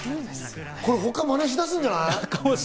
これ、他がマネしだすんじゃない？